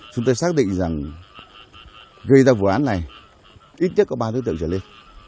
chúng tôi xác định rằng gây ra vụ án này ít nhất có ba đối tượng trở lên